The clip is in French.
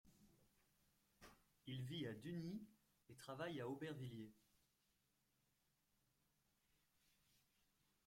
Il vit à Dugny et travaille à Aubervilliers.